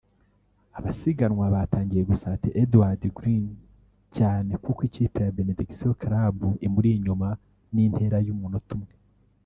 Abasiganwa batangiye gusatira Edward Greene cyane kuko ikipe ya Benediction Club imuri inyuma n intera y'umunota umwe (')